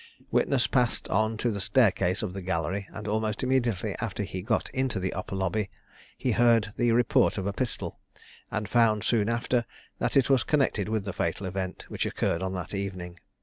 Witness passed on to the staircase of the gallery, and almost immediately after he got into the upper lobby, he heard the report of a pistol, and found soon after that it was connected with the fatal event which occurred on that evening.